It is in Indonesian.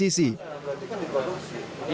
berarti kan diproduksi